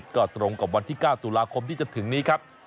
ก็ตรงกับวันที่๙ตุลาคมที่จะถึงนี้ครับ